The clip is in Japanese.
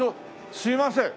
すみません。